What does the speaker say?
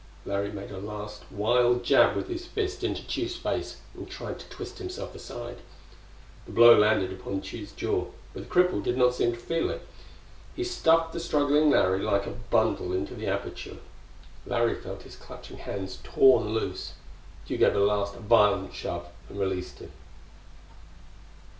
Larry made a last wild jab with his fist into Tugh's face and tried to twist himself aside. The blow landed upon Tugh's jaw, but the cripple did not seem to feel it. He stuffed the struggling Larry like a bundle into the aperture. Larry felt his clutching hands torn loose. Tugh gave a last, violent shove and released him.